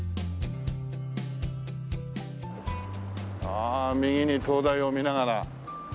ああ右に東大を見ながら。